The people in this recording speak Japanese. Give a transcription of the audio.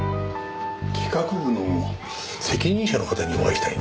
企画部の責任者の方にお会いしたいんですが。